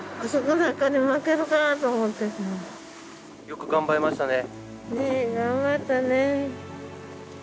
よく頑張りましたね。